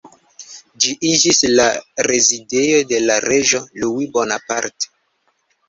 Ĝi iĝis la rezidejo de la reĝo Louis Bonaparte.